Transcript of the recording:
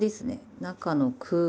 中の空間